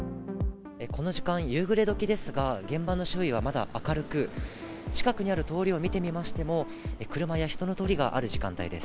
この時間、夕暮れどきですが、現場の周囲はまだ明るく、近くにある通りを見てみましても、車や人の通りがある時間帯です。